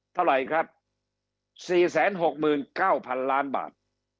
เท่าไหร่ครับ๔๖๙๐๐๐ล้านบาท